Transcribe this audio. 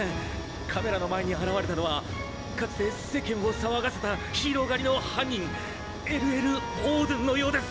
カメラの前に現れたのはかつて世間を騒がせたヒーロー狩りの犯人Ｌ．Ｌ．オードゥンのようです！